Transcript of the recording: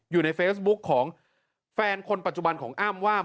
อยู่ในเฟซบุ๊กของแฟนคนปัจจุบันของอ้ำว่า